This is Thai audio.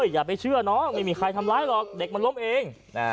อย่าไปเชื่อน้องไม่มีใครทำร้ายหรอกเด็กมันล้มเอง